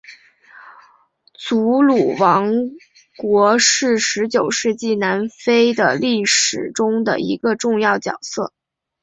祖鲁王国是十九世纪南非的历史中的一个重要角色。